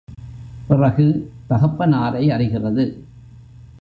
பிறகு தகப்பனாரை அறிகிறது.